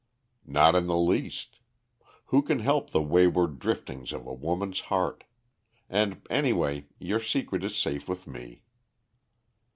"Not in the least. Who can help the wayward driftings of a woman's heart? And, anyway, your secret is safe with me."